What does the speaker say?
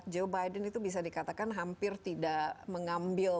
joe biden itu bisa dikatakan hampir tidak mengambil